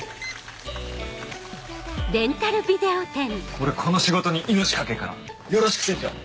俺この仕事に命懸けっからよろしく店長！